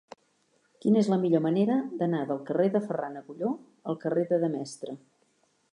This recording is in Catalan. Quina és la millor manera d'anar del carrer de Ferran Agulló al carrer de Demestre?